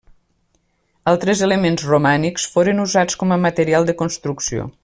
Altres elements romànics foren usats com a material de construcció.